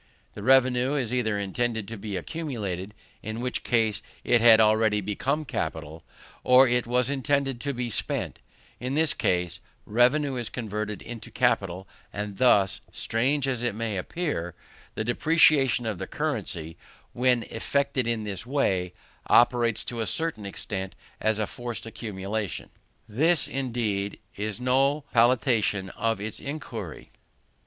The revenue was either intended to be accumulated, in which case it had already become capital, or it was intended to be spent: in this last case, revenue is converted into capital: and thus, strange as it may appear, the depreciation of the currency, when effected in this way, operates to a certain extent as a forced accumulation. This, indeed, is no palliation of its iniquity.